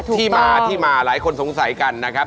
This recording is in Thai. ที่มาที่มาหลายคนสงสัยกันนะครับ